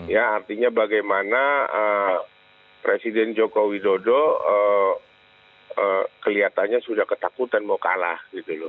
ya artinya bagaimana presiden joko widodo kelihatannya sudah ketakutan mau kalah gitu loh